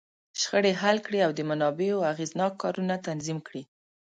شخړې حل کړي، او د منابعو اغېزناک کارونه تنظیم کړي.